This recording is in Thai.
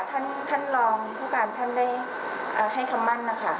ท่านรองผู้การท่านได้ให้คำมั่นนะคะ